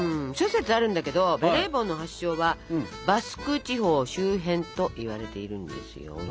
諸説あるんだけどベレー帽の発祥はバスク地方周辺といわれているんですよ。